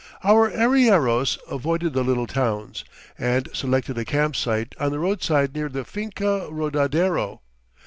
Our arrieros avoided the little towns, and selected a camp site on the roadside near the Finca Rodadero.